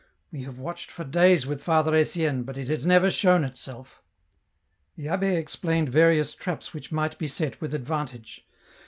We have watched for days with Father Etienne, but it has never shown itself." The zhh6 explained various traps which might be set with advantage.